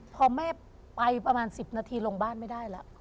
พอแม่ไปประมาณ๑๐นาทีลงบ้านไม่ได้แล้ว